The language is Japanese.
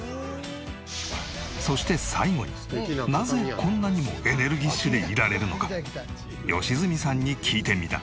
そして最後になぜこんなにもエネルギッシュでいられるのか良純さんに聞いてみた。